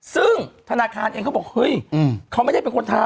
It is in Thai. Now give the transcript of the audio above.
ซึ่งธนาคารเองเขาบอกเฮ้ยเขาไม่ได้เป็นคนทำ